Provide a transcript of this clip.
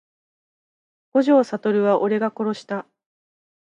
五条悟は俺が殺した…